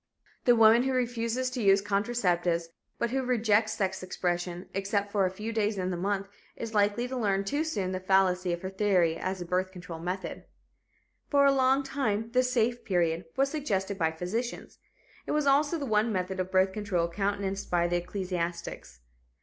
The woman who refuses to use contraceptives, but who rejects sex expression except for a few days in the month, is likely to learn too soon the fallacy of her theory as a birth control method. For a long time the "safe period" was suggested by physicians. It was also the one method of birth control countenanced by the ecclesiastics.